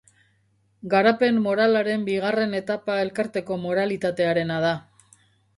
Garapen moralaren bigarren etapa elkarteko moralitatearena da.